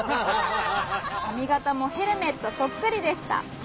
「かみがたもヘルメットそっくりでした」。